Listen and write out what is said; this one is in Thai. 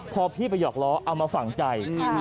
พอพี่ไปหอกล้อเอามาฝั่งใจ